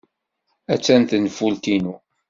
Attan tenfult-inu.